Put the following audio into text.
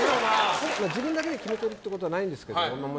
自分だけで決めてるってことはないんですけれども。